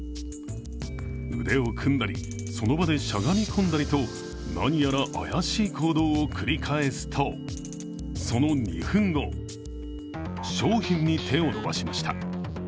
腕を組んだりその場でしゃがみ込んだりと何やら怪しい行動を繰り返すと、その２分後商品に手を伸ばしました。